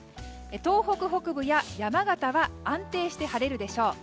東北北部や山形は安定して晴れるでしょう。